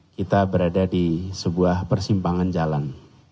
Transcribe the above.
kita berada di sebuah persimpangan jalan